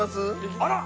あら！